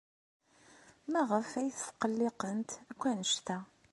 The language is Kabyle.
Maɣef ay tqelliqent akk anect-a?